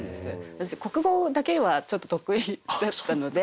私国語だけはちょっと得意だったので。